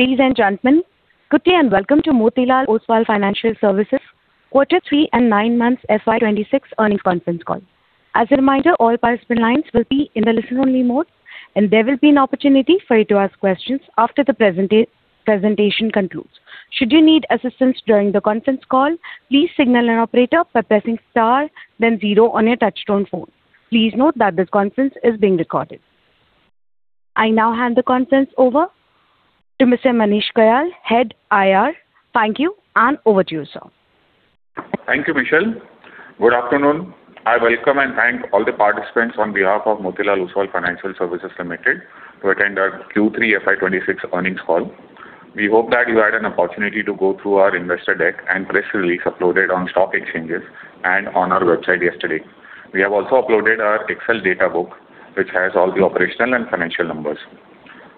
Ladies and gentlemen, good day and welcome to Motilal Oswal Financial Services Quarter Three and nine months FY 2026 earnings conference call. As a reminder, all participant lines will be in the listen-only mode, and there will be an opportunity for you to ask questions after the presentation concludes. Should you need assistance during the conference call, please signal an operator by pressing star then zero on your touchtone phone. Please note that this conference is being recorded. I now hand the conference over to Mr. Manish Goyal, Head, IR. Thank you, and over to you, sir. Thank you, Michelle. Good afternoon. I welcome and thank all the participants on behalf of Motilal Oswal Financial Services Limited to attend our Q3 FY26 earnings call. We hope that you had an opportunity to go through our investor deck and press release uploaded on stock exchanges and on our website yesterday. We have also uploaded our Excel data book, which has all the operational and financial numbers.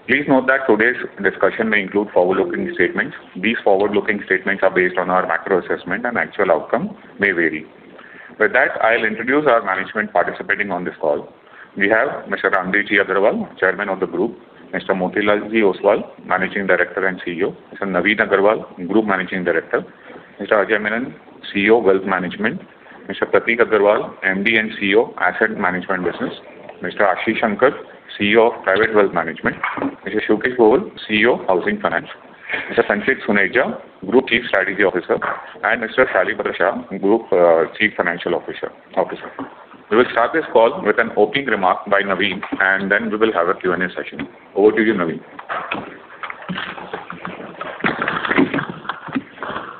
Please note that today's discussion may include forward-looking statements. These forward-looking statements are based on our macro assessment and actual outcome may vary. With that, I'll introduce our management participating on this call. We have Mr. Raamdeo Agrawal, Chairman of the Group; Mr. Motilal Oswal, Managing Director and CEO; Mr. Navin Agarwal, Group Managing Director; Mr. Ajay Menon, CEO, Wealth Management; Mr. Prateek Agrawal, MD and CEO, Asset Management Business; Mr. Ashish Shankar, CEO of Private Wealth Management; Mr. Shivkesh Rahul, CEO, Housing Finance; Mr. Sanchit Suneja, Group Chief Strategy Officer; and Mr. Shailesh Bhatia Shah, Group Chief Financial Officer. We will start this call with an opening remark by Navin, and then we will have a Q&A session. Over to you, Navin.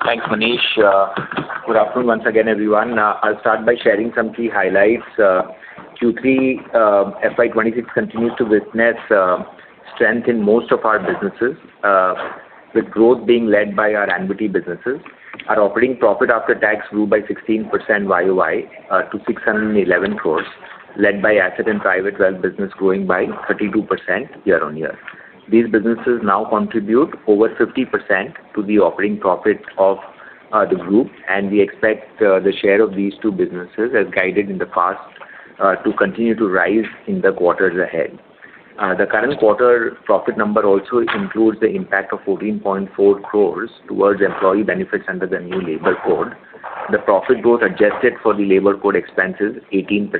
Thanks, Manish. Good afternoon once again, everyone. I'll start by sharing some key highlights. Q3 FY26 continues to witness strength in most of our businesses, with growth being led by our annuity businesses. Our operating profit after tax grew by 16% year-over-year to 611 crore, led by asset and private wealth business growing by 32% year-on-year. These businesses now contribute over 50% to the operating profit of the group, and we expect the share of these two businesses, as guided in the past, to continue to rise in the quarters ahead. The current quarter profit number also includes the impact of 14.4 crore towards employee benefits under the new labor code. The profit growth adjusted for the labor code expense is 18%.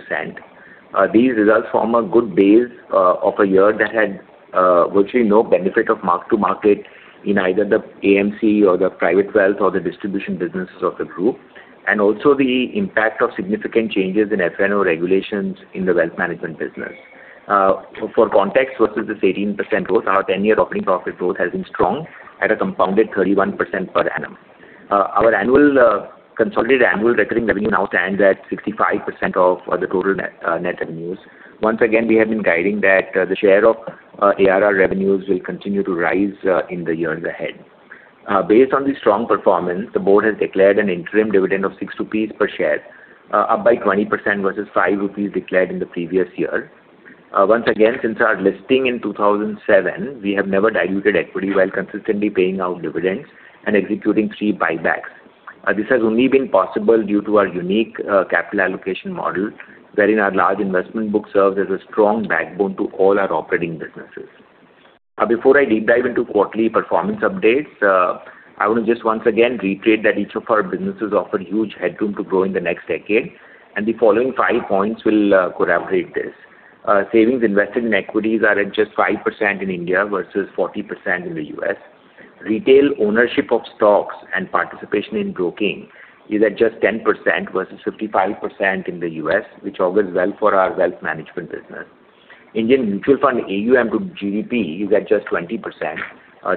These results form a good base of a year that had virtually no benefit of mark-to-market in either the AMC or the private wealth or the distribution businesses of the group, and also the impact of significant changes in FNO regulations in the wealth management business. For context, versus this 18% growth, our 10-year operating profit growth has been strong at a compounded 31% per annum. Our annual consolidated annual recurring revenue now stands at 65% of the total net net revenues. Once again, we have been guiding that the share of ARR revenues will continue to rise in the years ahead. Based on the strong performance, the board has declared an interim dividend of 6 rupees per share, up by 20% versus 5 rupees declared in the previous year. Once again, since our listing in 2007, we have never diluted equity while consistently paying out dividends and executing three buybacks. This has only been possible due to our unique, capital allocation model, wherein our large investment book serves as a strong backbone to all our operating businesses. Now, before I deep dive into quarterly performance updates, I want to just once again reiterate that each of our businesses offer huge headroom to grow in the next decade, and the following five points will, corroborate this. Savings invested in equities are at just 5% in India versus 40% in the US. Retail ownership of stocks and participation in broking is at just 10% versus 55% in the US, which augurs well for our wealth management business. Indian mutual fund AUM to GDP is at just 20%.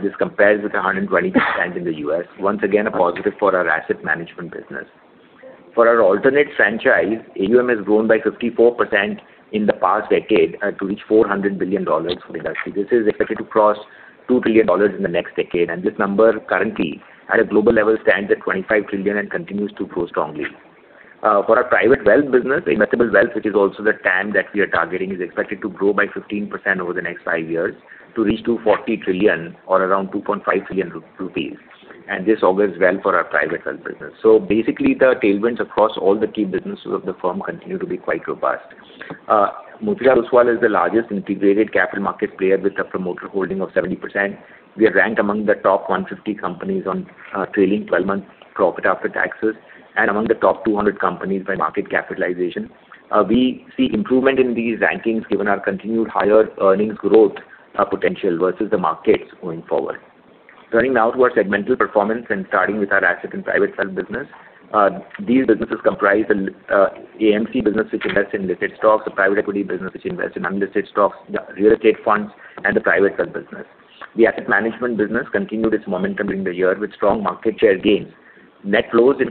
This compares with 120% in the US. Once again, a positive for our asset management business. For our alternate franchise, AUM has grown by 54% in the past decade to reach $400 billion for the industry. This is expected to cross $2 trillion in the next decade, and this number currently, at a global level, stands at $25 trillion and continues to grow strongly. For our private wealth business, investable wealth, which is also the TAM that we are targeting, is expected to grow by 15% over the next five years to reach 2.4 trillion rupees or around 2.5 trillion rupees. And this augurs well for our private wealth business. So basically, the tailwinds across all the key businesses of the firm continue to be quite robust. Motilal Oswal is the largest integrated capital market player with a promoter holding of 70%. We are ranked among the top 150 companies on, trailing twelve-month profit after taxes and among the top 200 companies by market capitalization. We see improvement in these rankings, given our continued higher earnings growth, potential versus the markets going forward. Turning now to our segmental performance and starting with our asset and private wealth business. These businesses comprise an, AMC business, which invests in listed stocks, a private equity business which invests in unlisted stocks, the real estate funds, and the private wealth business. The asset management business continued its momentum during the year with strong market share gains. Net flows in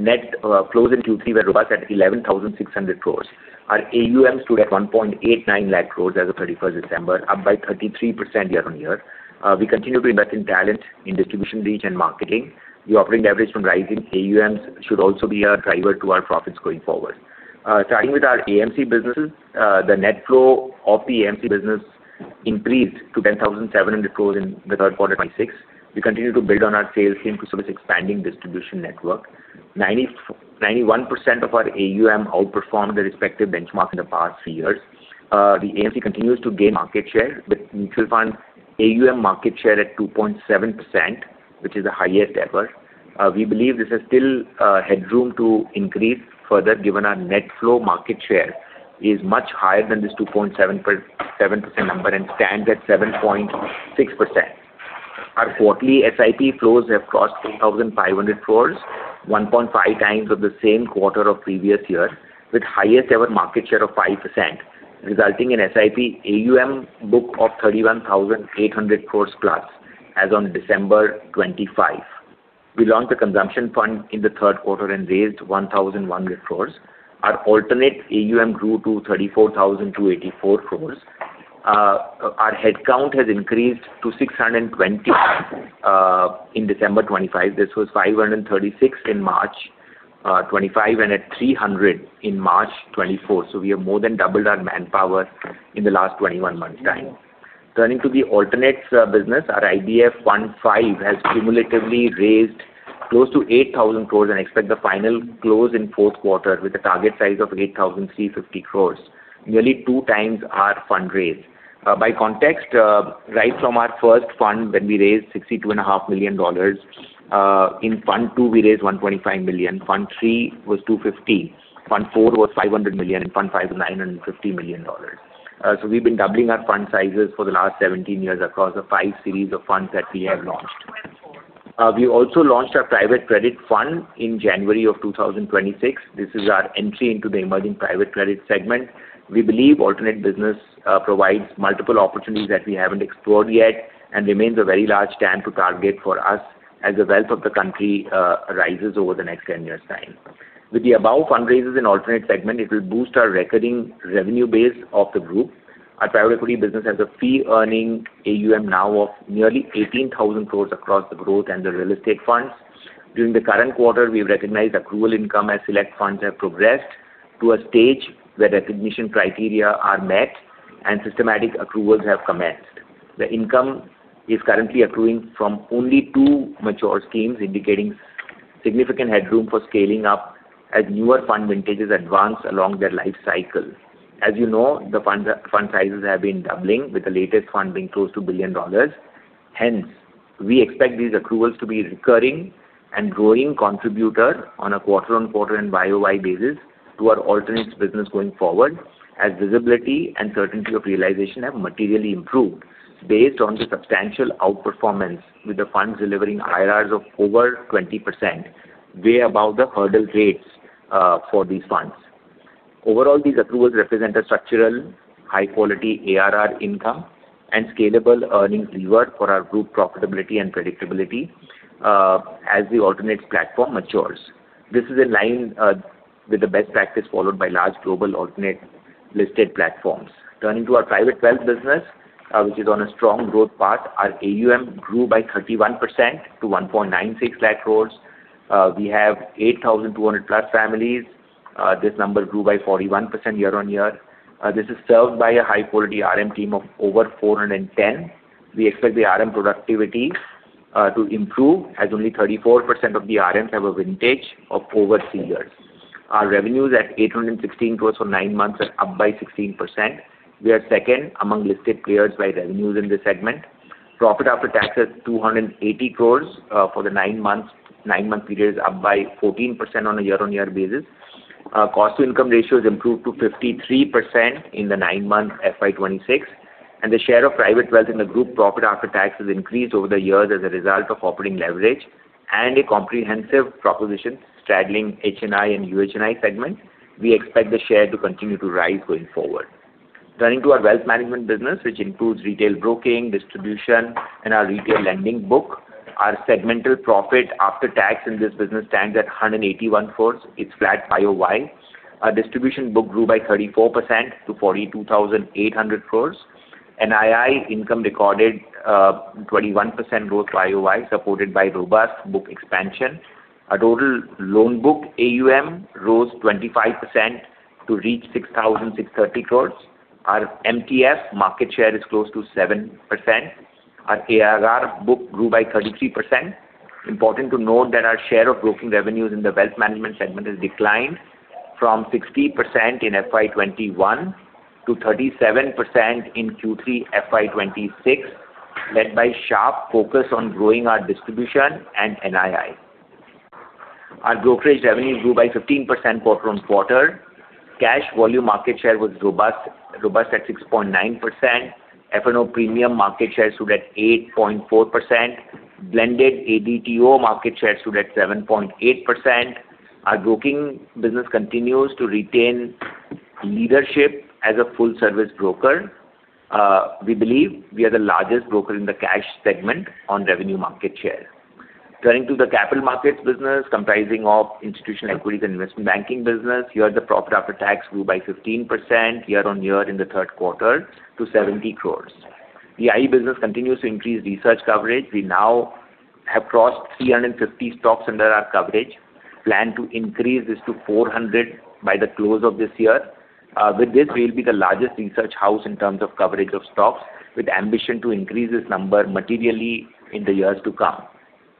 Q3 were robust at 11,600 crore. Our AUM stood at 189,000 crore as of thirty-first December, up by 33% year-on-year. We continue to invest in talent, in distribution reach and marketing. The operating leverage from rising AUMs should also be a driver to our profits going forward. Starting with our AMC businesses, the net flow of the AMC business increased to 10,700 crore in the third quarter of 2026. We continue to build on our sales team to service expanding distribution network. 91% of our AUM outperformed the respective benchmark in the past three years. The AMC continues to gain market share, with mutual fund AUM market share at 2.7%, which is the highest ever. We believe this is still headroom to increase further, given our net flow market share is much higher than this two point seven percent number and stands at 7.6%. Our quarterly SIP flows have crossed 3,500 crore, 1.5 times of the same quarter of previous year, with highest ever market share of 5%, resulting in SIP AUM book of 31,800 crore+, as on December 2025. We launched a consumption fund in the third quarter and raised 1,100 crore. Our alternate AUM grew to 34,284 crore. Our headcount has increased to 620 in December 2025. This was 536 in March 2025, and at 300 in March 2024. So we have more than doubled our manpower in the last 21 months time. Turning to the alternates business, our IDF 15 has cumulatively raised close to 8,000 crore and expect the final close in fourth quarter with a target size of 8,350 crore, nearly 2 times our fund raise. By context, right from our first fund, when we raised $62.5 million, in Fund 2, we raised $125 million. Fund 3 was $250 million, Fund 4 was $500 million, and Fund 5, $950 million. So we've been doubling our fund sizes for the last 17 years across the 5 series of funds that we have launched. We also launched our private credit fund in January of 2026. This is our entry into the emerging private credit segment. We believe alternative business provides multiple opportunities that we haven't explored yet, and remains a very large TAM to target for us as the wealth of the country rises over the next 10 years' time. With the above fundraisers in alternative segment, it will boost our recurring revenue base of the group. Our private equity business has a fee earning AUM now of nearly 18,000 crore across the growth and the real estate funds. During the current quarter, we've recognized accrual income as select funds have progressed to a stage where recognition criteria are met and systematic accruals have commenced. The income is currently accruing from only two mature schemes, indicating significant headroom for scaling up as newer fund vintages advance along their life cycle. As you know, the funds fund sizes have been doubling, with the latest fund being close to $1 billion. Hence, we expect these accruals to be recurring and growing contributor on a quarter-on-quarter and year-over-year basis to our alternates business going forward, as visibility and certainty of realization have materially improved. Based on the substantial outperformance with the funds delivering IRRs of over 20%, way above the hurdle rates, for these funds. Overall, these approvals represent a structural, high-quality ARR income and scalable earnings lever for our group profitability and predictability, as the alternate platform matures. This is in line, with the best practice followed by large global alternate listed platforms. Turning to our private wealth business, which is on a strong growth path. Our AUM grew by 31% to 196,000 crore. We have 8,200+ families. This number grew by 41% year-on-year. This is served by a high-quality RM team of over 410. We expect the RM productivity to improve, as only 34% of the RMs have a vintage of over three years. Our revenues at 816 crores for nine months are up by 16%. We are second among listed players by revenues in this segment. Profit after tax is 280 crores for the nine-month period, up by 14% on a year-on-year basis. Cost to income ratio has improved to 53% in the nine-month FY 2026, and the share of private wealth in the group profit after tax has increased over the years as a result of operating leverage and a comprehensive proposition straddling HNI and UHNI segments. We expect the share to continue to rise going forward. Turning to our wealth management business, which includes retail broking, distribution, and our retail lending book. Our segmental profit after tax in this business stands at 181 crore. It's flat year-over-year. Our distribution book grew by 34% to 42,800 crore. NII income recorded 21% growth year-over-year, supported by robust book expansion. Our total loan book, AUM, rose 25% to reach 6,630 crore. Our MTF market share is close to 7%. Our ARR book grew by 33%. Important to note that our share of broking revenues in the wealth management segment has declined from 60% in FY 2021 to 37% in Q3 FY 2026, led by sharp focus on growing our distribution and NII. Our brokerage revenues grew by 15% quarter-on-quarter. Cash volume market share was robust at 6.9%. F&O premium market share stood at 8.4%. Blended ADTO market share stood at 7.8%. Our broking business continues to retain leadership as a full service broker. We believe we are the largest broker in the cash segment on revenue market share. Turning to the capital markets business, comprising of institutional equities and investment banking business. Here, the profit after tax grew by 15% year-on-year in the third quarter to 70 crore. The IE business continues to increase research coverage. We now have crossed 350 stocks under our coverage. Plan to increase this to 400 by the close of this year. With this, we'll be the largest research house in terms of coverage of stocks, with ambition to increase this number materially in the years to come.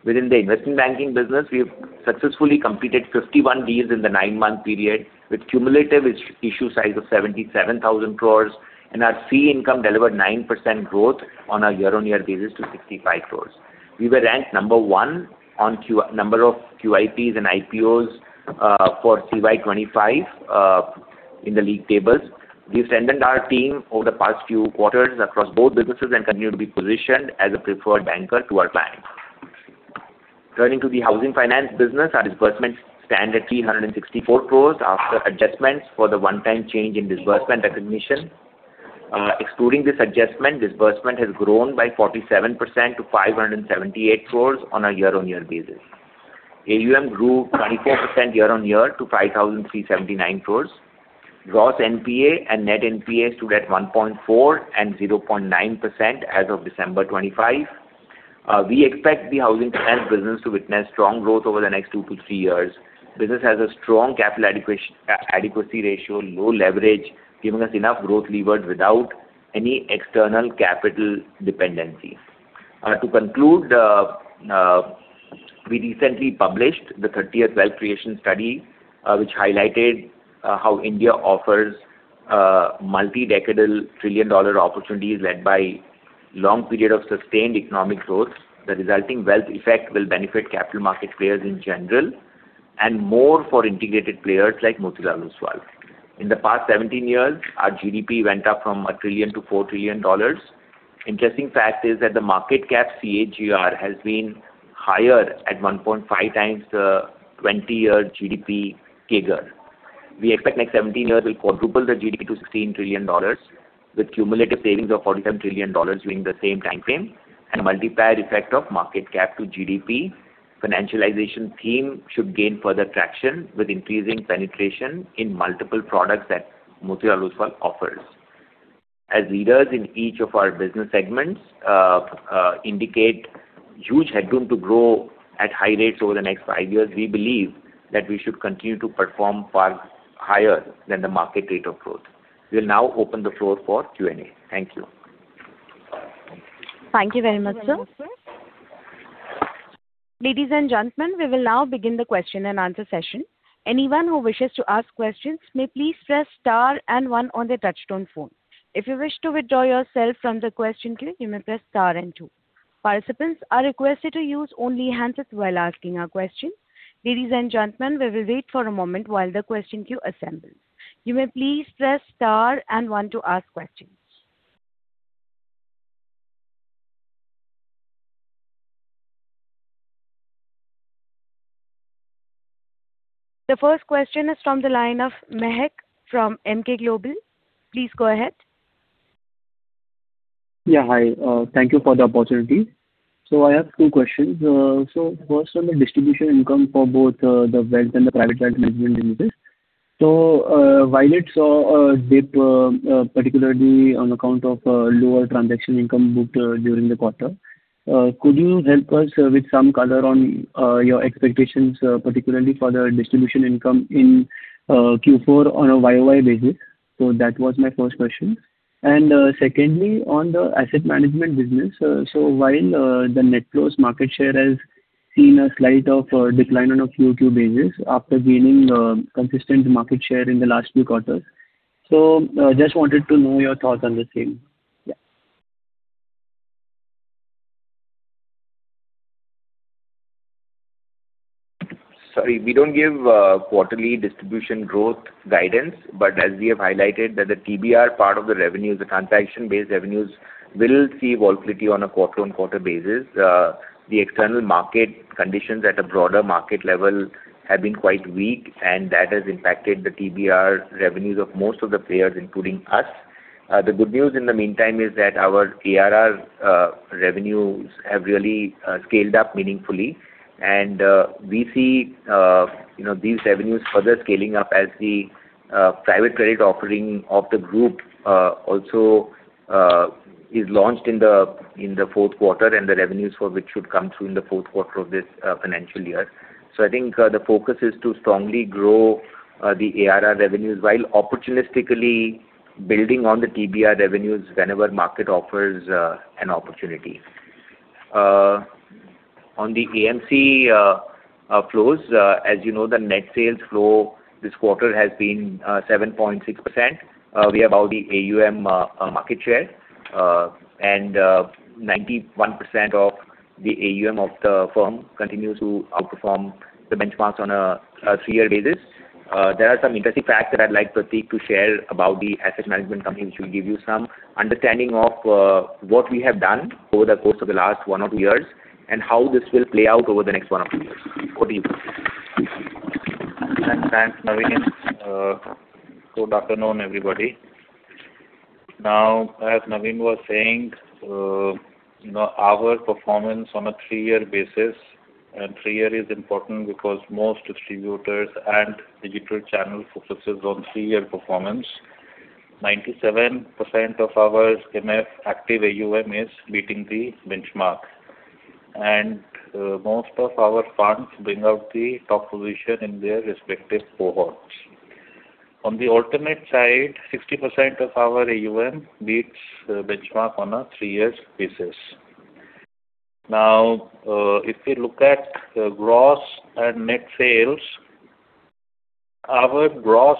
Within the investment banking business, we have successfully completed 51 deals in the nine-month period, with cumulative issue size of 77,000 crore, and our fee income delivered 9% growth on a year-on-year basis to 65 crore. We were ranked number one on number of QIPs and IPOs for CY 2025 in the league tables. We've strengthened our team over the past few quarters across both businesses and continue to be positioned as a preferred banker to our clients. Turning to the housing finance business, our disbursements stand at 364 crore after adjustments for the one-time change in disbursement recognition. Excluding this adjustment, disbursement has grown by 47% to 578 crore on a year-on-year basis. AUM grew 24% year-on-year to 5,379 crore. Gross NPA and net NPA stood at 1.4% and 0.9% as of December 25. We expect the housing finance business to witness strong growth over the next 2-3 years. Business has a strong capital adequacy ratio, low leverage, giving us enough growth levers without any external capital dependency. To conclude, we recently published the 30th Wealth Creation Study, which highlighted how India offers multi-decadal trillion-dollar opportunities led by long period of sustained economic growth. The resulting wealth effect will benefit capital market players in general, and more for integrated players like Motilal Oswal. In the past 17 years, our GDP went up from $1 trillion to $4 trillion. Interesting fact is that the market cap CAGR has been higher at 1.5 times the 20-year GDP CAGR. We expect next 17 years will quadruple the GDP to $16 trillion, with cumulative savings of $47 trillion during the same time frame and a multiplier effect of market cap to GDP. Financialization theme should gain further traction, with increasing penetration in multiple products that Motilal Oswal offers. As leaders in each of our business segments, indicate huge headroom to grow at high rates over the next 5 years, we believe that we should continue to perform far higher than the market rate of growth. We'll now open the floor for Q&A. Thank you. Thank you very much, sir. Ladies and gentlemen, we will now begin the question and answer session. Anyone who wishes to ask questions may please press star and one on their touchtone phone. If you wish to withdraw yourself from the question queue, you may press star and two. Participants are requested to use only handsets while asking a question. Ladies and gentlemen, we will wait for a moment while the question queue assembles. You may please press star and one to ask questions. The first question is from the line of Mehak from MK Global. Please go ahead. Yeah, hi. Thank you for the opportunity. So I have two questions. So first, on the distribution income for both, the wealth and the private client management business. So, while it saw a dip, particularly on account of, lower transaction income booked, during the quarter, could you help us, with some color on, your expectations, particularly for the distribution income in, Q4 on a year-over-year basis? So that was my first question. And, secondly, on the asset management business. So while, the net close market share has seen a slight decline on a QOQ basis after gaining, consistent market share in the last few quarters. So, just wanted to know your thoughts on the same. Yeah. Sorry, we don't give quarterly distribution growth guidance, but as we have highlighted, that the TBR part of the revenues, the transaction-based revenues, will see volatility on a quarter-on-quarter basis. The external market conditions at a broader market level have been quite weak, and that has impacted the TBR revenues of most of the players, including us. The good news in the meantime is that our ARR revenues have really scaled up meaningfully. And we see, you know, these revenues further scaling up as the private credit offering of the group also is launched in the fourth quarter, and the revenues for which should come through in the fourth quarter of this financial year. So I think, the focus is to strongly grow, the ARR revenues while opportunistically building on the TBR revenues whenever market offers, an opportunity. On the AMC, flows, as you know, the net sales flow this quarter has been, 7.6%. We have about the AUM, market share, and, 91% of the AUM of the firm continues to outperform the benchmarks on a, three-year basis. There are some interesting facts that I'd like Prateek to share about the asset management company, which will give you some understanding of, what we have done over the course of the last one or two years and how this will play out over the next one or two years. Over to you. Thanks. Thanks, Navin. Good afternoon, everybody. Now, as Navin was saying, you know, our performance on a three-year basis, and three year is important because most distributors and digital channel focuses on three-year performance.... 97% of our MF active AUM is beating the benchmark, and most of our funds bring out the top position in their respective cohorts. On the alternate side, 60% of our AUM beats benchmark on a three years basis. Now, if we look at the gross and net sales, our gross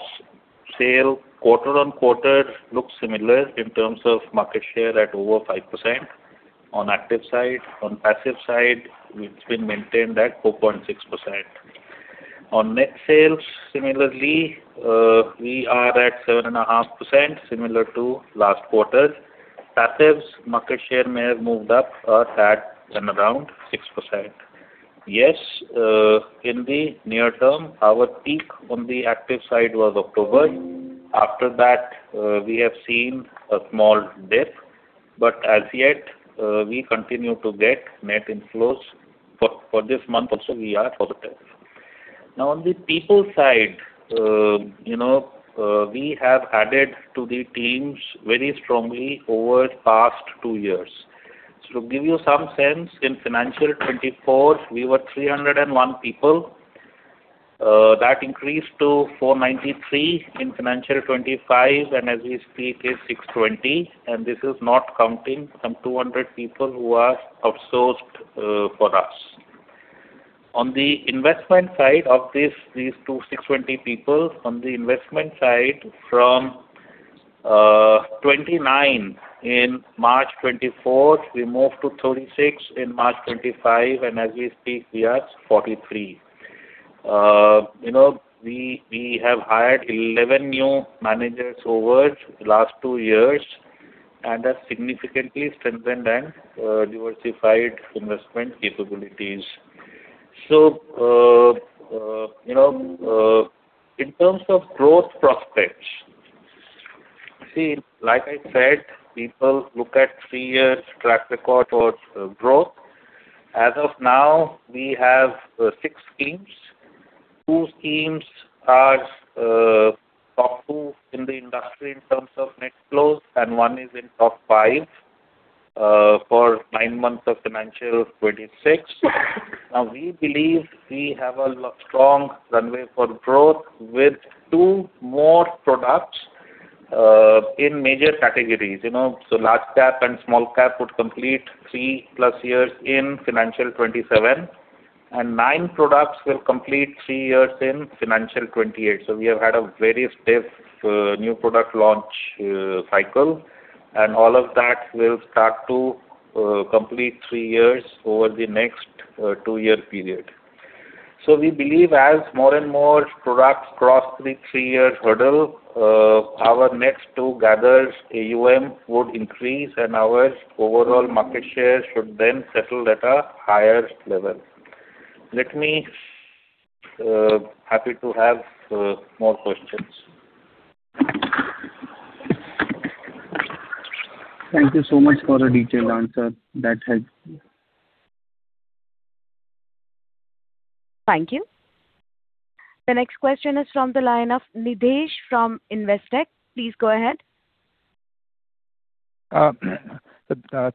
sale quarter on quarter looks similar in terms of market share at over 5% on active side. On passive side, it's been maintained at 4.6%. On net sales, similarly, we are at 7.5%, similar to last quarter. Passives market share may have moved up a tad and around 6%. Yes, in the near term, our peak on the active side was October. After that, we have seen a small dip, but as yet, we continue to get net inflows. For, for this month also, we are positive. Now, on the people side, you know, we have added to the teams very strongly over the past two years. So to give you some sense, in financial 2024, we were 301 people. That increased to 493 in financial 2025, and as we speak, is 620, and this is not counting some 200 people who are outsourced, for us. On the investment side of this, these 26/20 people, on the investment side from 29 in March 2024, we moved to 36 in March 2025, and as we speak, we are 43. You know, we have hired 11 new managers over the last two years and have significantly strengthened and diversified investment capabilities. So, you know, in terms of growth prospects, see, like I said, people look at three years track record towards growth. As of now, we have six schemes. Two schemes are top two in the industry in terms of net flows, and one is in top five for nine months of financial 2026. Now, we believe we have a strong runway for growth with two more products in major categories. You know, so large cap and small cap would complete 3+ years in financial 27, and 9 products will complete 3 years in financial 28. So we have had a very stiff new product launch cycle, and all of that will start to complete 3 years over the next 2-year period. So we believe as more and more products cross the 3-year hurdle, our next two quarters AUM would increase, and our overall market share should then settle at a higher level. I'm happy to have more questions. Thank you so much for the detailed answer. That helps. Thank you. The next question is from the line of Nidesh from Investec. Please go ahead.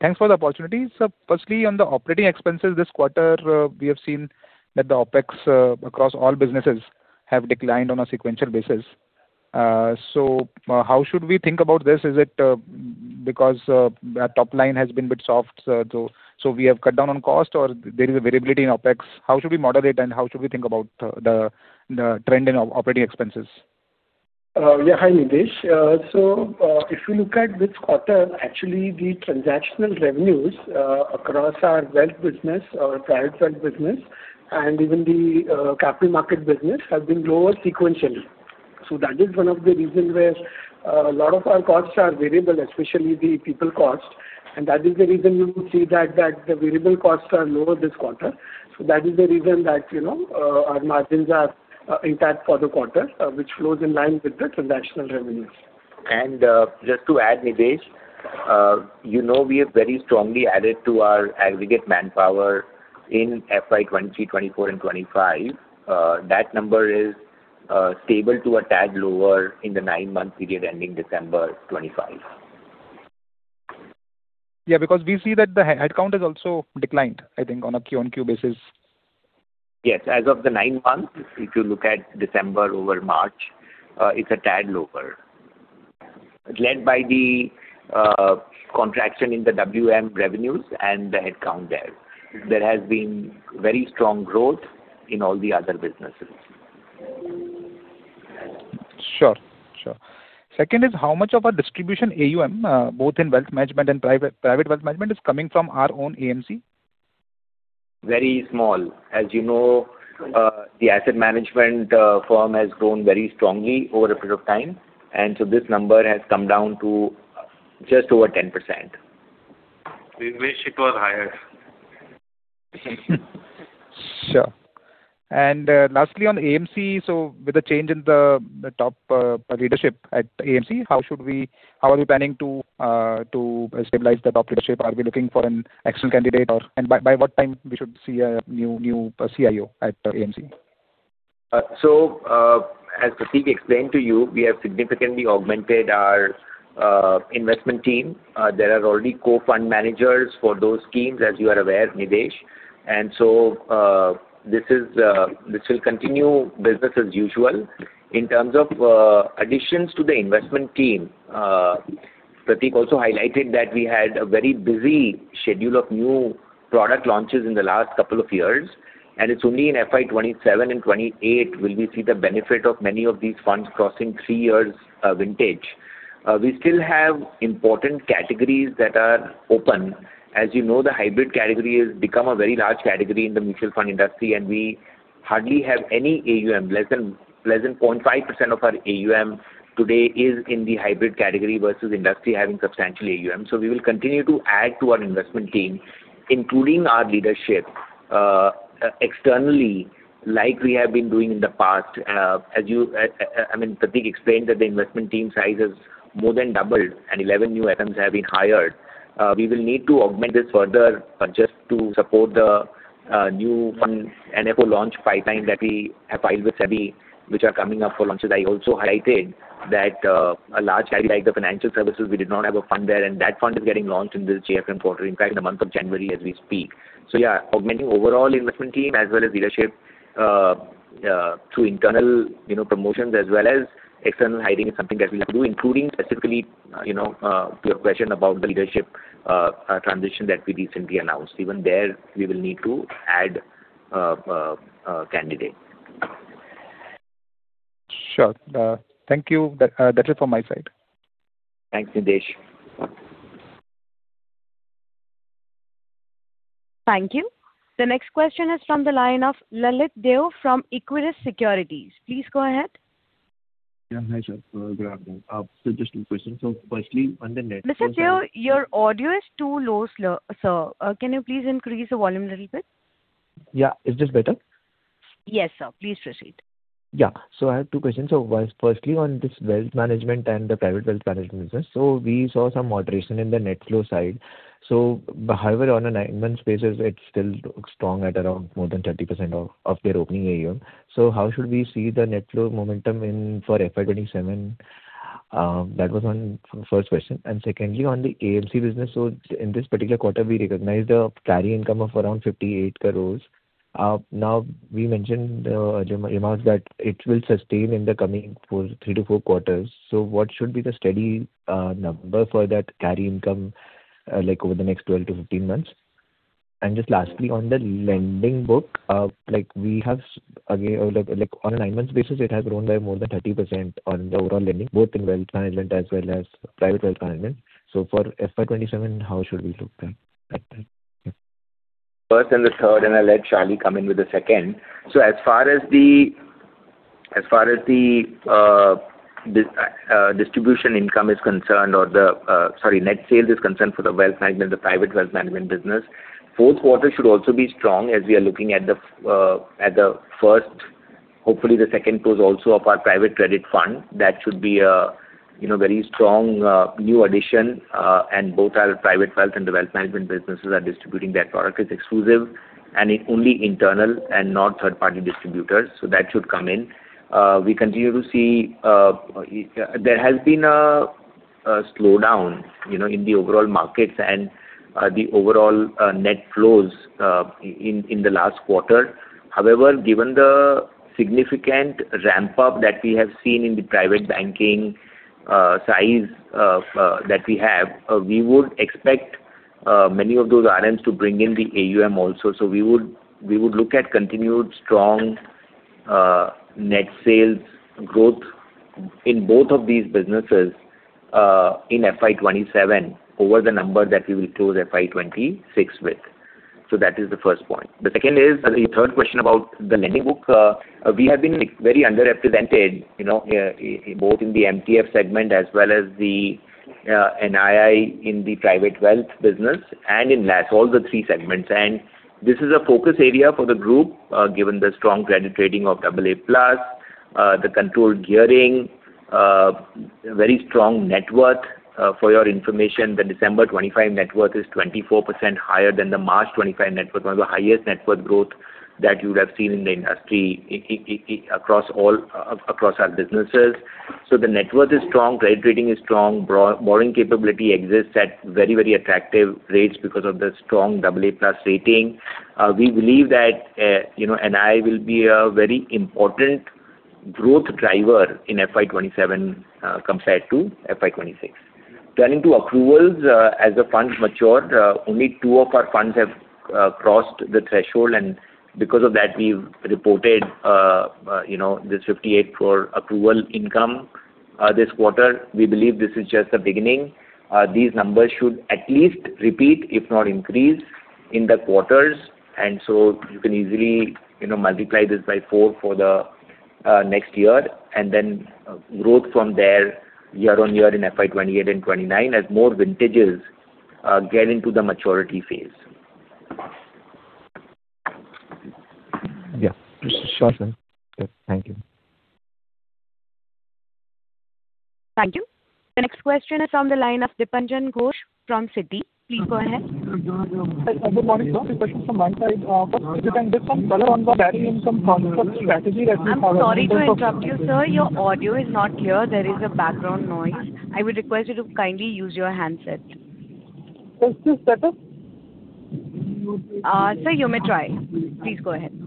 Thanks for the opportunity. So firstly, on the operating expenses this quarter, we have seen that the OpEx across all businesses have declined on a sequential basis. So, how should we think about this? Is it because our top line has been a bit soft, so we have cut down on cost or there is a variability in OpEx? How should we model it, and how should we think about the trend in operating expenses? Yeah. Hi, Nidesh. So, if you look at this quarter, actually, the transactional revenues across our wealth business, our private wealth business, and even the capital market business, have been lower sequentially. So that is one of the reasons where a lot of our costs are variable, especially the people cost, and that is the reason you see that the variable costs are lower this quarter. So that is the reason that, you know, our margins are intact for the quarter, which flows in line with the transactional revenues. Just to add, Nidesh, you know, we have very strongly added to our aggregate manpower in FY 2024 and 2025. That number is stable to a tad lower in the nine-month period ending December 2025. Yeah, because we see that the headcount has also declined, I think, on a QoQ basis. Yes. As of the nine months, if you look at December over March, it's a tad lower, led by the contraction in the WM revenues and the headcount there. There has been very strong growth in all the other businesses. Sure. Sure. Second is, how much of our distribution AUM, both in wealth management and private, private wealth management, is coming from our own AMC? Very small. As you know, the asset management firm has grown very strongly over a period of time, and so this number has come down to just over 10%. We wish it was higher. Sure. And, lastly, on AMC, so with the change in the, the top leadership at AMC, how should we. How are we planning to, to, stabilize the top leadership? Are we looking for an external candidate or and by, by what time we should see a new, new, CIO at AMC?... So, as Prateek explained to you, we have significantly augmented our investment team. There are already co-fund managers for those schemes, as you are aware, Nidesh. And so, this will continue business as usual. In terms of additions to the investment team, Prateek also highlighted that we had a very busy schedule of new product launches in the last couple of years, and it's only in FY 2027 and 2028 will we see the benefit of many of these funds crossing three years vintage. We still have important categories that are open. As you know, the hybrid category has become a very large category in the mutual fund industry, and we hardly have any AUM. Less than 0.5% of our AUM today is in the hybrid category versus industry having substantial AUM. So we will continue to add to our investment team, including our leadership, externally, like we have been doing in the past. As you, I mean, Prateek explained that the investment team size has more than doubled and 11 new FMs have been hired. We will need to augment this further just to support the new fund and therefore launch five times that we have filed with SEBI, which are coming up for launches. I also highlighted that a large category, like the financial services, we did not have a fund there, and that fund is getting launched in this year quarter, in fact, in the month of January as we speak. So yeah, augmenting overall investment team as well as leadership through internal, you know, promotions as well as external hiring is something that we'll do, including specifically, you know, your question about the leadership transition that we recently announced. Even there, we will need to add a candidate. Sure. Thank you. That, that's it from my side. Thanks, Nidesh. Thank you. The next question is from the line of Lalit Deo from Equirus Securities. Please go ahead. Yeah, hi, sir. Good afternoon. So just two questions. So firstly, on the net Mr. Deo, your audio is too low, sir. Can you please increase the volume a little bit? Yeah. Is this better? Yes, sir. Please proceed. Yeah. So I have two questions. So once, firstly, on this wealth management and the private wealth management business. So we saw some moderation in the net flow side. So however, on a nine-month basis, it's still strong at around more than 30% of, of their opening AUM. So how should we see the net flow momentum in for FY 2027? That was one, first question. And secondly, on the AMC business, so in this particular quarter, we recognized a carry income of around 58 crore. Now, we mentioned, remarked that it will sustain in the coming 3-4 quarters. So what should be the steady number for that carry income, like over the next 12-15 months? Just lastly, on the lending book, like, we have again, like, on a nine months basis, it has grown by more than 30% on the overall lending, both in wealth management as well as private wealth management. So for FY 2027, how should we look at that? First and the third, and I'll let Charlie come in with the second. So as far as the distribution income is concerned, or the, sorry, net sales is concerned for the wealth management, the private wealth management business, fourth quarter should also be strong as we are looking at the first, hopefully the second close also of our private credit fund. That should be a, you know, very strong new addition, and both our private wealth and the wealth management businesses are distributing that product. It's exclusive and it only internal and not third-party distributors, so that should come in. We continue to see, there has been a slowdown, you know, in the overall markets and the overall net flows in the last quarter. However, given the significant ramp-up that we have seen in the private banking size that we have, we would expect many of those RMs to bring in the AUM also. So we would look at continued strong net sales growth in both of these businesses in FY 27 over the number that we will close FY 26 with. So that is the first point. The second is, the third question about the lending book. We have been very underrepresented, you know, both in the MTF segment as well as the NII in the private wealth business and in LAS, all the three segments. And this is a focus area for the group, given the strong credit rating of AA+, the controlled gearing, very strong net worth. For your information, the December 2025 net worth is 24% higher than the March 2025 net worth. One of the highest net worth growth that you would have seen in the industry across all, across our businesses. So the net worth is strong, credit rating is strong, borrowing capability exists at very, very attractive rates because of the strong AA+ rating. We believe that, you know, NII will be a very important growth driver in FY 2027, compared to FY 2026. Turning to accruals, as the funds mature, only two of our funds have crossed the threshold, and because of that, we've reported, you know, this 58 crore carry income, this quarter. We believe this is just the beginning. These numbers should at least repeat, if not increase, in the quarters. You can easily, you know, multiply this by four for the next year, and then growth from there year on year in FY 2028 and 2029 as more vintages get into the maturity phase. Yeah. Sure, sir. Thank you. Thank you. The next question is on the line of Dipanjan Ghosh from Citi. Please go ahead. Good morning, sir. Two questions from my side. First, if you can give some color on the carry income fund strategy that we follow- I'm sorry to interrupt you, sir. Your audio is not clear. There is a background noise. I would request you to kindly use your handset. Is this better? Sir, you may try. Please go ahead.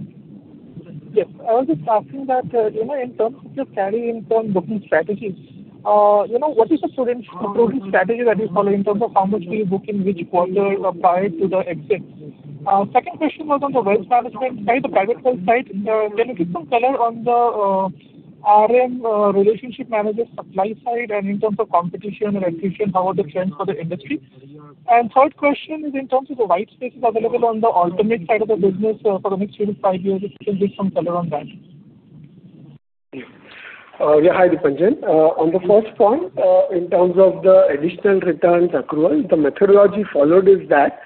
Yes. I was just asking that, you know, in terms of your carry income booking strategies, you know, what is the current booking strategy that you follow in terms of how much do you book, in which quarter, prior to the exit? Second question was on the wealth management side, the private wealth side. Can you give some color on the, RM, relationship manager supply side and in terms of competition and attrition, how are the trends for the industry? And third question is in terms of the white spaces available on the alternate side of the business, for the next three to five years, if you can give some color on that. Yeah, hi, Dipanjan. On the first point, in terms of the additional returns accrual, the methodology followed is that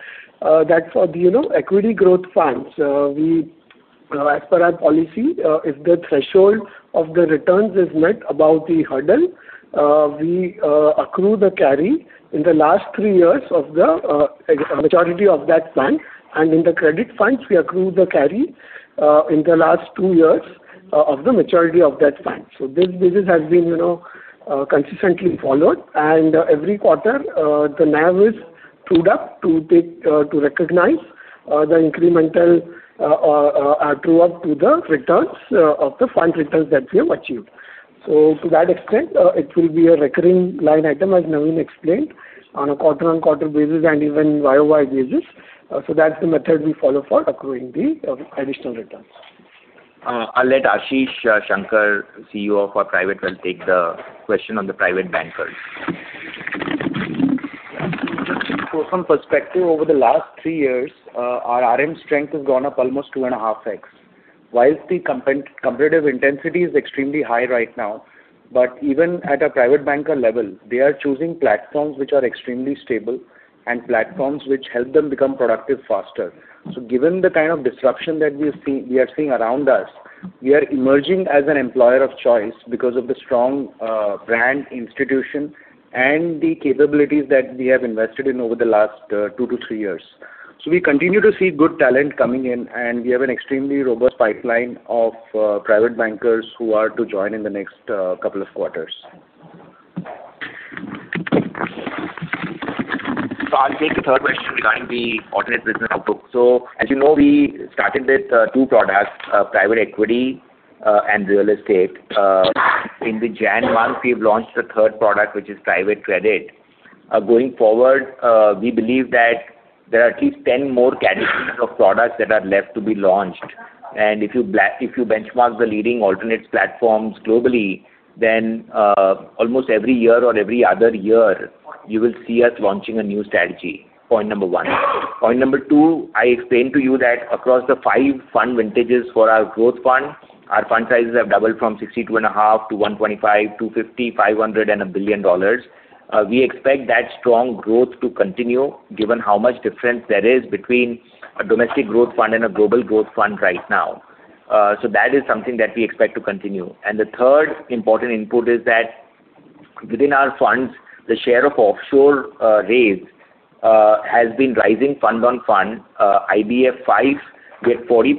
for the, you know, equity growth funds, we, as per our policy, if the threshold of the returns is met above the hurdle, we accrue the carry in the last three years of the majority of that fund, and in the credit funds, we accrue the carry in the last two years of the maturity of that fund. So this has been, you know, consistently followed, and every quarter the NAV is trued up to recognize the incremental true up to the returns of the fund returns that we have achieved. To that extent, it will be a recurring line item, as Navin explained, on a quarter-on-quarter basis and even year-over-year basis. That's the method we follow for accruing the additional returns. I'll let Ashish Shankar, CEO for Private Wealth, take the question on the private bankers. So some perspective, over the last three years, our RM strength has gone up almost 2.5x. While the competitive intensity is extremely high right now, but even at a private banker level, they are choosing platforms which are extremely stable and platforms which help them become productive faster. So given the kind of disruption that we see, we are seeing around us, we are emerging as an employer of choice because of the strong brand institution and the capabilities that we have invested in over the last two to three years. So we continue to see good talent coming in, and we have an extremely robust pipeline of private bankers who are to join in the next couple of quarters. So I'll take the third question regarding the alternative business outlook. So as you know, we started with two products, private equity, and real estate. In January, we've launched the third product, which is private credit. Going forward, we believe that there are at least 10 more categories of products that are left to be launched. And if you benchmark the leading alternatives platforms globally, then almost every year or every other year, you will see us launching a new strategy. Point number one. Point number two, I explained to you that across the 5 fund vintages for our growth fund, our fund sizes have doubled from $62.5 to $125 to $250, $500, and $1 billion. We expect that strong growth to continue, given how much difference there is between a domestic growth fund and a global growth fund right now. So that is something that we expect to continue. And the third important input is that within our funds, the share of offshore raise has been rising fund on fund. IBF 5, we have 40%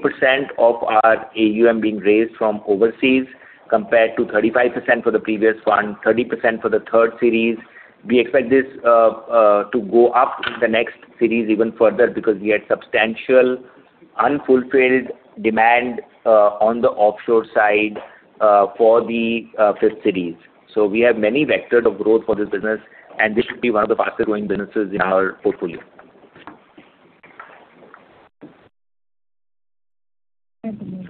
of our AUM being raised from overseas compared to 35% for the previous fund, 30% for the third series. We expect this to go up in the next series even further because we had substantial unfulfilled demand on the offshore side for the fifth series. So we have many vectors of growth for this business, and this should be one of the faster growing businesses in our portfolio.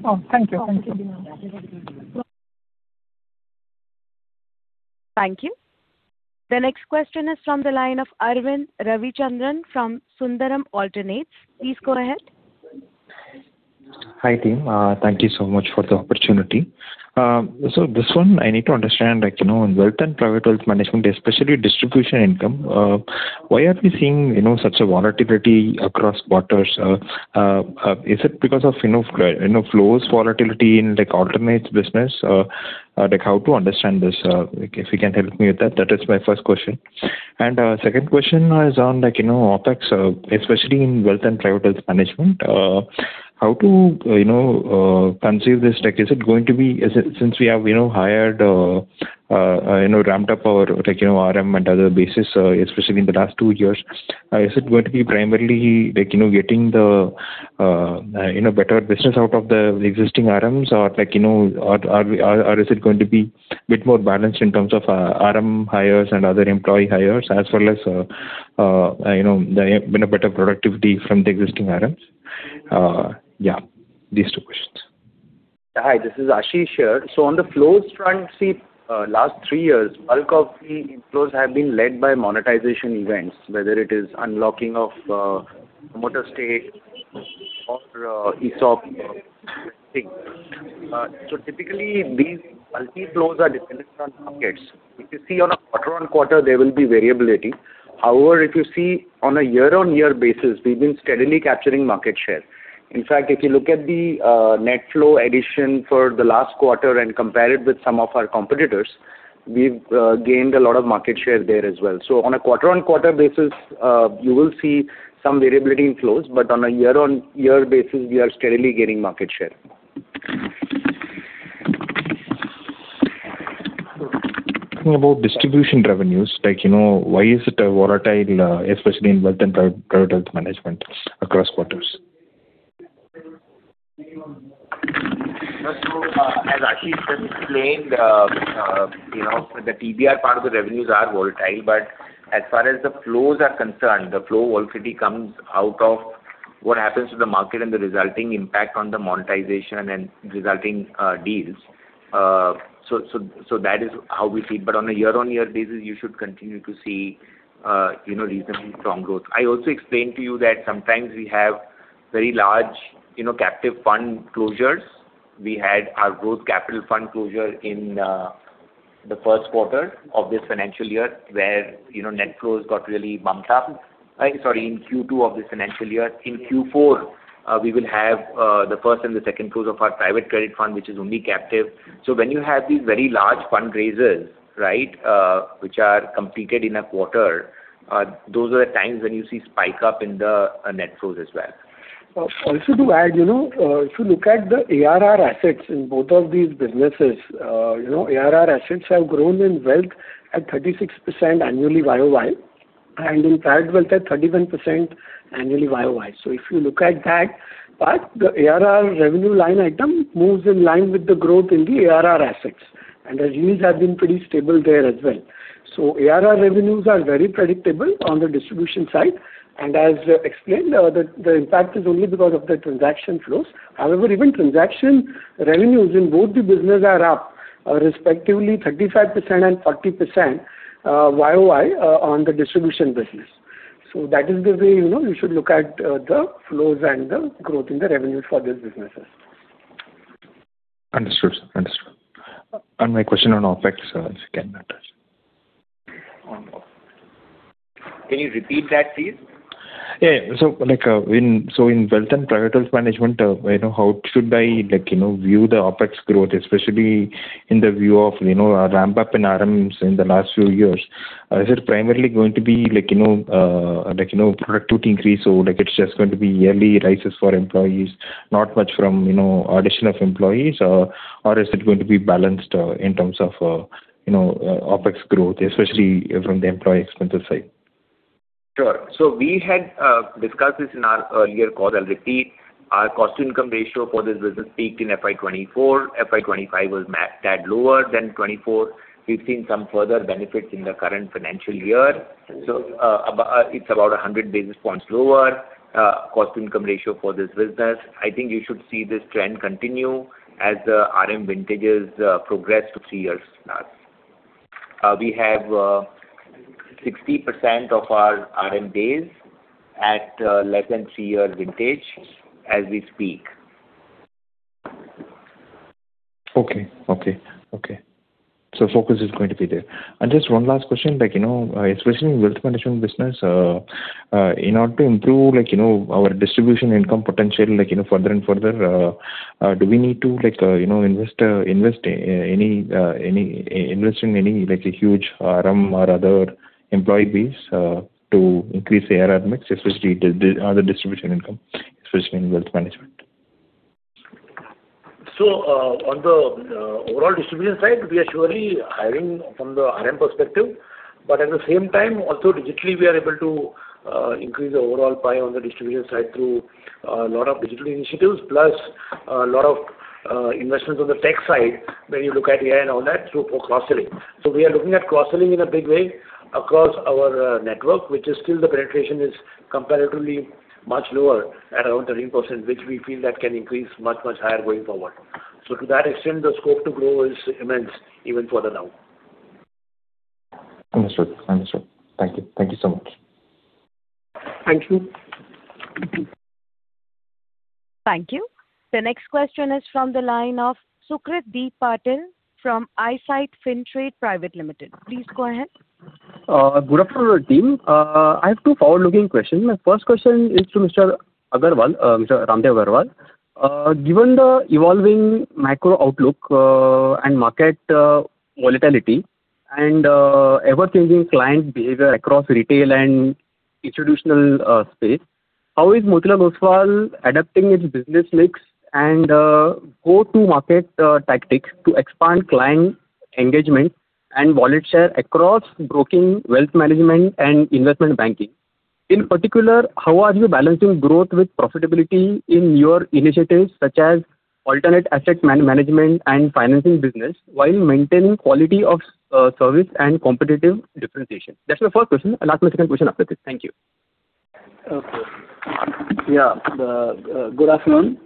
Oh, thank you. Thank you. Thank you. The next question is from the line of Arvind Ravichandran from Sundaram Alternates. Please go ahead. Hi, team. Thank you so much for the opportunity. So this one I need to understand, like, you know, in wealth and private wealth management, especially distribution income, why are we seeing, you know, such a volatility across quarters? Is it because of, you know, flows volatility in, like, alternates business? Like, how to understand this? Like, if you can help me with that, that is my first question. And second question is on, like, you know, OpEx, especially in wealth and private wealth management. How to, you know, conceive this, like, is it going to be... Is it since we have, you know, hired, you know, ramped up our, like, you know, RM and other bases, especially in the last two years, is it going to be primarily like, you know, getting the, you know, better business out of the existing RMs? Or like, you know, or, or, or is it going to be bit more balanced in terms of, RM hires and other employee hires, as well as, you know, there have been a better productivity from the existing RMs? Yeah, these two questions. Hi, this is Ashish here. So on the flows front, see, last three years, bulk of the inflows have been led by monetization events, whether it is unlocking of promoter stake or ESOP listing. So typically these multi flows are dependent on markets. If you see on a quarter-on-quarter, there will be variability. However, if you see on a year-on-year basis, we've been steadily capturing market share. In fact, if you look at the net flow addition for the last quarter and compare it with some of our competitors, we've gained a lot of market share there as well. So on a quarter-on-quarter basis, you will see some variability in flows, but on a year-on-year basis, we are steadily gaining market share. About distribution revenues, like, you know, why is it volatile, especially in wealth and private management across quarters? Just so, as Ashish just explained, you know, the TBR part of the revenues are volatile, but as far as the flows are concerned, the flow volatility comes out of what happens to the market and the resulting impact on the monetization and resulting deals. So that is how we see it. But on a year-on-year basis, you should continue to see, you know, reasonably strong growth. I also explained to you that sometimes we have very large, you know, captive fund closures. We had our growth capital fund closure in the first quarter of this financial year, where, you know, net flows got really bumped up. Sorry, in Q2 of this financial year. In Q4, we will have the first and the second close of our private credit fund, which is only captive. When you have these very large fundraisers, right, which are completed in a quarter, those are the times when you see spike up in the net flows as well. Also, to add, you know, if you look at the ARR assets in both of these businesses, you know, ARR assets have grown in wealth at 36% annually year-over-year, and in private wealth at 31% annually year-over-year. So if you look at that, but the ARR revenue line item moves in line with the growth in the ARR assets, and the yields have been pretty stable there as well. So ARR revenues are very predictable on the distribution side, and as explained, the impact is only because of the transaction flows. However, even transaction revenues in both the business are up, respectively 35% and 40%, year-over-year, on the distribution business. So that is the way, you know, you should look at the flows and the growth in the revenue for these businesses. Understood, sir. Understood. My question on OpEx, sir, can I touch? Can you repeat that, please? Yeah. So, like, in wealth and private management, you know, how should I, like, you know, view the OpEx growth, especially in the view of, you know, a ramp-up in RMs in the last few years? Is it primarily going to be like, you know, like, you know, productivity increase, or like it's just going to be yearly raises for employees, not much from, you know, addition of employees, or, or is it going to be balanced, in terms of, you know, OpEx growth, especially from the employee expenses side? Sure. So we had discussed this in our earlier call already. Our cost-to-income ratio for this business peaked in FY 2024. FY 2025 was a tad lower than 2024. We've seen some further benefits in the current financial year. So, it's about 100 basis points lower, cost-to-income ratio for this business. I think you should see this trend continue as the RM vintages progress to 3 years now. We have 60% of our RM base at less than 3-year vintage as we speak. Okay. Okay, okay. So focus is going to be there. Just one last question, like, you know, especially in wealth management business, in order to improve, like, you know, our distribution income potential, like, you know, further and further, do we need to, like, you know, invest in any, like, a huge RM or other employee base, to increase the ARR mix, especially the distribution income, especially in wealth management? So, on the overall distribution side, we are surely hiring from the RM perspective, but at the same time, also digitally, we are able to increase the overall pie on the distribution side through a lot of digital initiatives, plus a lot of investments on the tech side, when you look at AI and all that, through for cross-selling. So we are looking at cross-selling in a big way across our network, which is still the penetration is comparatively much lower at around 13%, which we feel that can increase much, much higher going forward. So to that extent, the scope to grow is immense, even further now. Understood. Understood. Thank you. Thank you so much. Thank you. Thank you. The next question is from the line of Sukrit Deep Patel from Eyesight Fintrade Private Limited. Please go ahead. Good afternoon, team. I have two forward-looking questions. My first question is to Mr. Agarwal, Mr. Ramdeo Agrawal. Given the evolving macro outlook, and market volatility and ever-changing client behavior across retail and institutional space, how is Motilal Oswal adapting its business mix and go-to-market tactics to expand client engagement and wallet share across broking, wealth management, and investment banking? In particular, how are you balancing growth with profitability in your initiatives, such as alternate asset management and financing business, while maintaining quality of service and competitive differentiation? That's my first question. I'll ask my second question after this. Thank you. Okay. Yeah, good afternoon.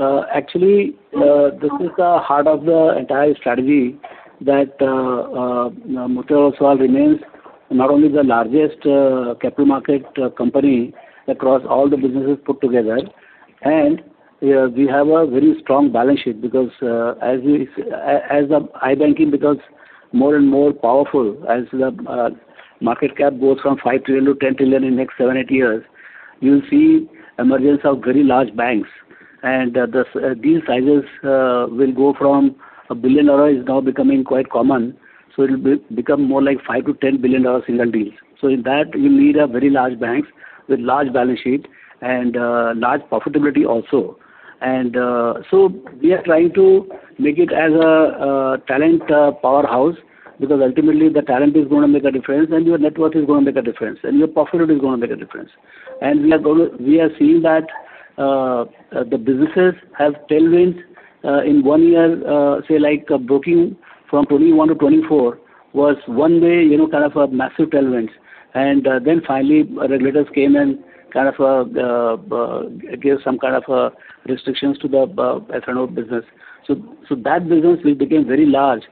Actually, this is the heart of the entire strategy that Motilal Oswal remains not only the largest capital market company across all the businesses put together, and we have a very strong balance sheet because as of Investment Banking, because- more and more powerful as the market cap goes from $5 trillion to $10 trillion in the next 7-8 years, you'll see emergence of very large banks. And the these sizes will go from $1 billion, which is now becoming quite common, so it'll become more like $5-$10 billion single deals. So in that, you need very large banks with large balance sheet and large profitability also. And so we are trying to make it as a talent powerhouse, because ultimately the talent is gonna make a difference, and your network is gonna make a difference, and your profitability is gonna make a difference. We are seeing that the businesses have tailwinds in one year, say like broking from 2021 to 2024, was one way, you know, kind of a massive tailwinds. Then finally, regulators came and kind of gave some kind of restrictions to the F&O business. So that business which became very large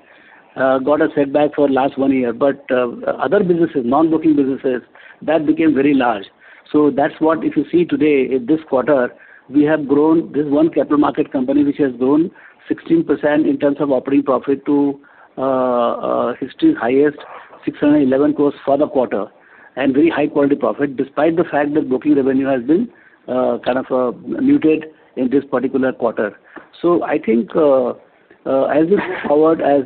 got a setback for last one year. But other businesses, non-broking businesses, that became very large. So that's what if you see today, in this quarter, we have grown this one capital market company, which has grown 16% in terms of operating profit to history highest, 611 crore for the quarter. And very high quality profit, despite the fact that broking revenue has been kind of muted in this particular quarter. So I think, as we move forward as,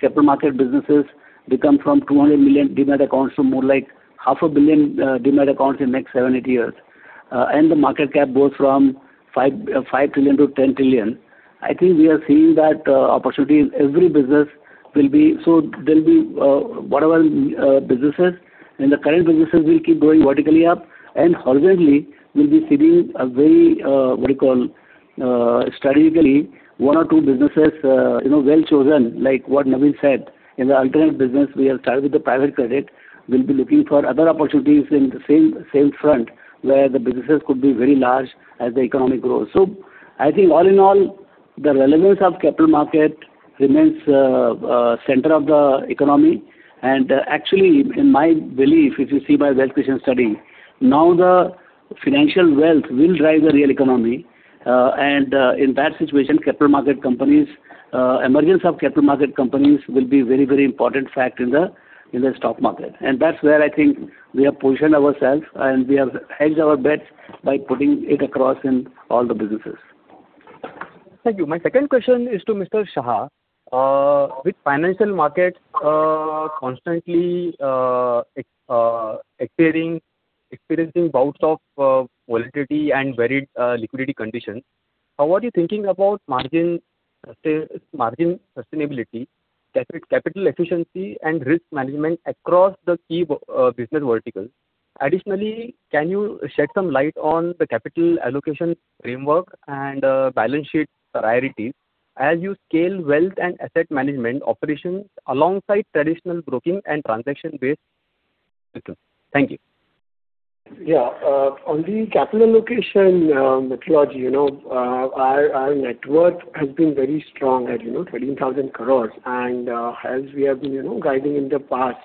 capital market businesses become from 200 million demat accounts to more like 500 million demat accounts in the next 7-8 years, and the market cap goes from $5.5 trillion to $10 trillion, I think we are seeing that, opportunity in every business will be... So there'll be, whatever, businesses, and the current businesses will keep growing vertically up, and horizontally, we'll be seeing a very, what do you call, strategically, one or two businesses, you know, well chosen, like what Navin said, in the alternate business, we have started with the private credit. We'll be looking for other opportunities in the same, same front, where the businesses could be very large as the economy grows. So I think all in all, the relevance of capital market remains center of the economy. And actually, in my belief, if you see by wealth creation study, now the financial wealth will drive the real economy, and in that situation, capital market companies, emergence of capital market companies will be very, very important fact in the stock market. And that's where I think we have positioned ourselves, and we have hedged our bets by putting it across in all the businesses. Thank you. My second question is to Mr. Shah. With financial markets constantly experiencing bouts of volatility and varied liquidity conditions, how are you thinking about margin, say, margin sustainability, capital efficiency, and risk management across the key business verticals? Additionally, can you shed some light on the capital allocation framework and balance sheet priorities as you scale wealth and asset management operations alongside traditional broking and transaction-based system? Thank you. Yeah. On the capital allocation methodology, you know, our network has been very strong at, you know, 13,000 crore. And, as we have been, you know, guiding in the past,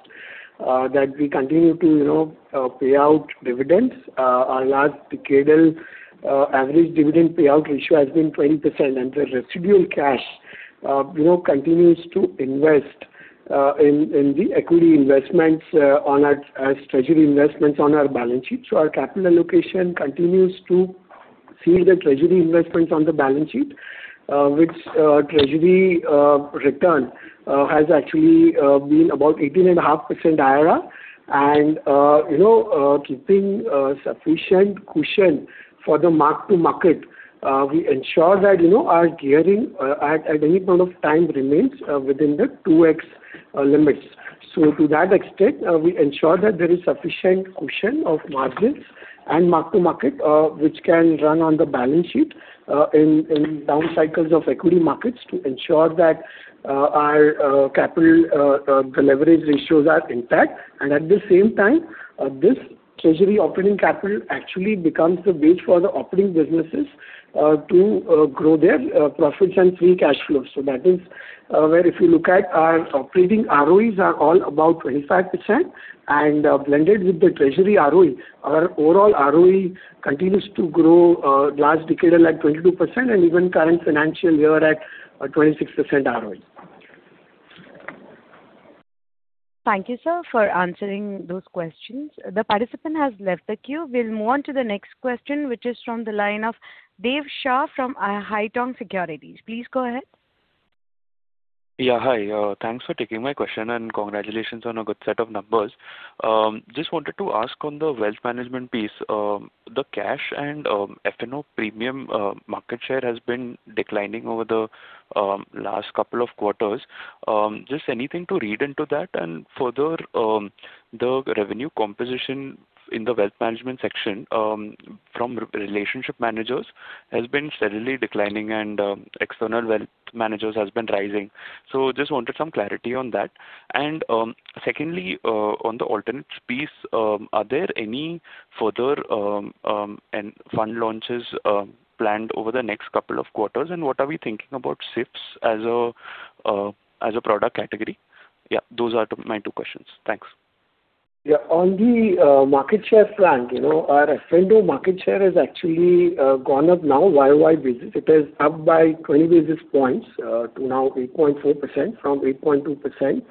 that we continue to, you know, pay out dividends. Our last decade average dividend payout ratio has been 20%, and the residual cash, you know, continues to invest in the equity investments on our as treasury investments on our balance sheet. So our capital allocation continues to see the treasury investments on the balance sheet, which treasury return has actually been about 18.5% IRR. You know, keeping sufficient cushion for the mark-to-market, we ensure that, you know, our gearing at any point of time remains within the 2x limits. So to that extent, we ensure that there is sufficient cushion of margins and mark-to-market, which can run on the balance sheet in down cycles of equity markets to ensure that our capital, the leverage ratios are intact. And at the same time, this treasury operating capital actually becomes the base for the operating businesses to grow their profits and free cash flow. That is where if you look at our operating ROEs are all about 25%, and blended with the treasury ROE, our overall ROE continues to grow, last decade at, like, 22% and even current financial year at 26% ROE. Thank you, sir, for answering those questions. The participant has left the queue. We'll move on to the next question, which is from the line of Dev Shah from Haitong Securities. Please go ahead. Yeah, hi. Thanks for taking my question, and congratulations on a good set of numbers. Just wanted to ask on the wealth management piece, the cash and F&O premium market share has been declining over the last couple of quarters. Just anything to read into that? And further, the revenue composition in the wealth management section from relationship managers has been steadily declining and external wealth managers has been rising. So just wanted some clarity on that. And secondly, on the alternates piece, are there any further fund launches planned over the next couple of quarters? And what are we thinking about SIPs as a product category? Yeah, those are my two questions. Thanks. ... Yeah, on the, market share front, you know, our F&O market share has actually, gone up now year-over-year basis. It is up by 20 basis points, to now 8.4% from 8.2%,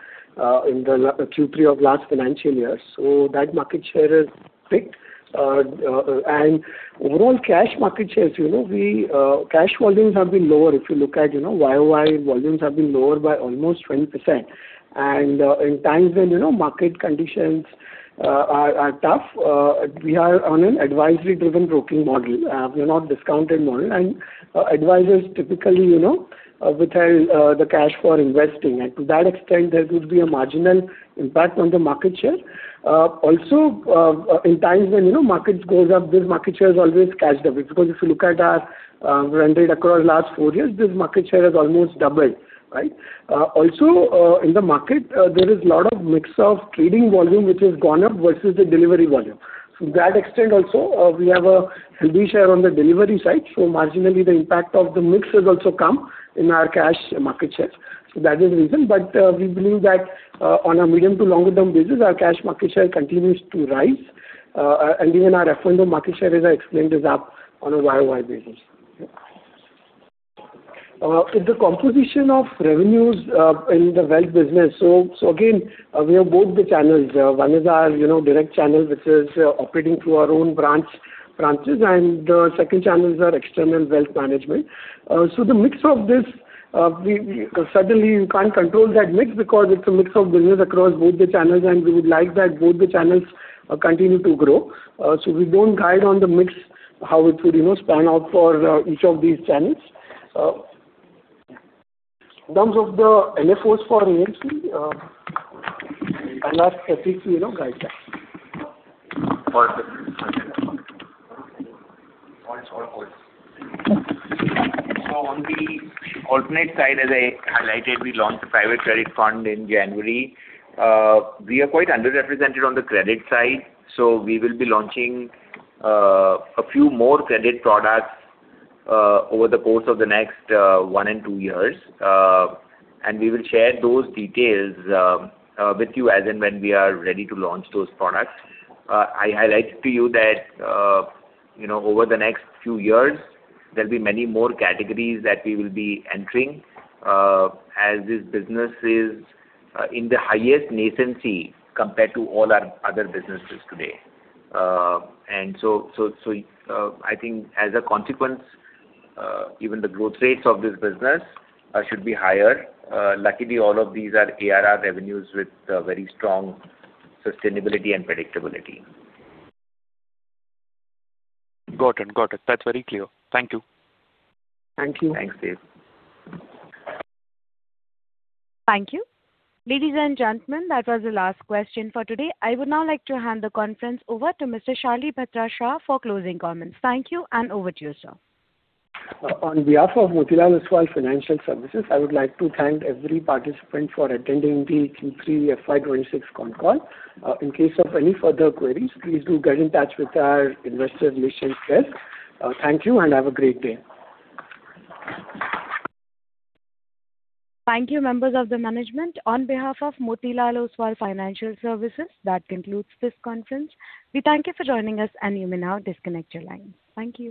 in the last Q3 of last financial year. So that market share is picked. And overall cash market shares, you know, we, cash volumes have been lower. If you look at, you know, year-over-year volumes have been lower by almost 20%. And, in times when, you know, market conditions, are tough, we are on an advisory-driven broking model, we're not discounted model. And, advisors typically, you know, withheld, the cash for investing, and to that extent there would be a marginal impact on the market share. Also, in times when, you know, markets goes up, this market share is always cash up. Because if you look at our trend across last four years, this market share has almost doubled, right? Also, in the market, there is a lot of mix of trading volume which has gone up versus the delivery volume. To that extent also, we have a healthy share on the delivery side, so marginally, the impact of the mix has also come in our cash market shares. So that is the reason. But, we believe that, on a medium to longer term basis, our cash market share continues to rise. And even our F&O market share, as I explained, is up on a year-over-year basis. In the composition of revenues, in the wealth business, so, so again, we have both the channels. One is our, you know, direct channel, which is operating through our own branch, branches, and the second channels are external wealth management. So the mix of this, suddenly you can't control that mix because it's a mix of business across both the channels, and we would like that both the channels continue to grow. So we don't guide on the mix, how it would, you know, span out for each of these channels. In terms of the LFOs for AMC, I'll ask Ashish to, you know, guide that. So on the alternate side, as I highlighted, we launched a private credit fund in January. We are quite underrepresented on the credit side, so we will be launching a few more credit products over the course of the next one and two years. And we will share those details with you as and when we are ready to launch those products. I highlighted to you that, you know, over the next few years, there'll be many more categories that we will be entering, as this business is in the highest nascency compared to all our other businesses today. And so, I think as a consequence, even the growth rates of this business should be higher. Luckily, all of these are ARR revenues with very strong sustainability and predictability. Got it. Got it. That's very clear. Thank you. Thank you. Thanks, Dev. Thank you. Ladies and gentlemen, that was the last question for today. I would now like to hand the conference over to Mr. Shailesh Bhatia Shah for closing comments. Thank you, and over to you, sir. On behalf of Motilal Oswal Financial Services, I would like to thank every participant for attending the Q3 FY 26 con call. In case of any further queries, please do get in touch with our investor relations desk. Thank you and have a great day. Thank you, members of the management. On behalf of Motilal Oswal Financial Services, that concludes this conference. We thank you for joining us, and you may now disconnect your lines. Thank you.